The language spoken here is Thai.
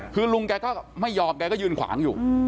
คือลุงแกก็ไม่ยอมแกก็ยืนขวางอยู่